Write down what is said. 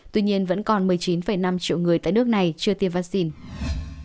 tuy nhiên vẫn còn một mươi chín năm triệu người tại nước này chưa tiêm vaccine